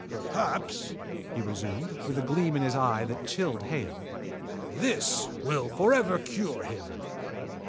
"Perhaps," he resumed, with a gleam in his eyes that chilled Hale, "this will forever cure him."